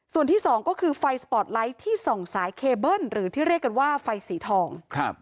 ส่วนที่สองก็คือไฟสปอร์ตไลท์ที่ส่องสายเคเบิ้ลหรือที่เรียกกันว่าไฟสีทอง